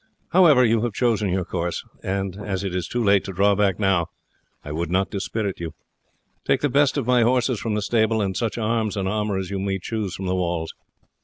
However, you have chosen your course, and as it is too late to draw back now, I would not dispirit you. Take the best of my horses from the stable, and such arms and armour as you may choose from the walls.